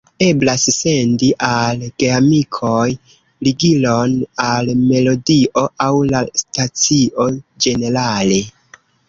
Eblas sendi al geamikoj ligilon al melodio aŭ la stacio ĝenerale.